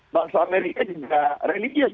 bangsa amerika juga religius